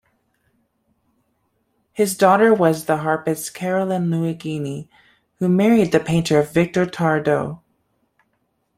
His daughter was the harpist Caroline Luigini, who married the painter Victor Tardieu.